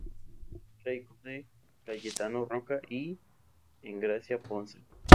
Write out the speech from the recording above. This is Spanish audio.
Era hijo de Cayetano Roca y Engracia Ponsa.